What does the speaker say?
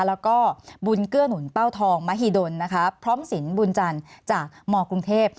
แล้วก็บุญเกื้อหนุนเป้าทองมหิดลนะคะพร้อมสินบุญจันทร์จากมกรุงเทพ